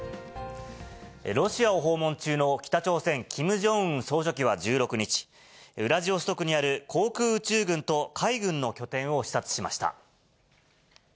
ロシアを訪問中の北朝鮮、キム・ジョンウン総書記は１６日、ウラジオストクにある航空宇宙軍と海軍の拠点を視察しました。